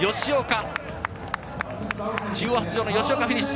中央発條の吉岡もフィニッシュ。